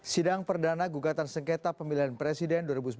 sidang perdana gugatan sengketa pemilihan presiden dua ribu sembilan belas